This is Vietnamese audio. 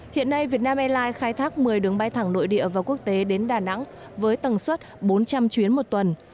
hiện nay việt nam airlines khai thác một mươi đường bay thẳng nội địa và quốc tế đến đà nẵng với tầng suất bốn trăm linh chuyến một tuần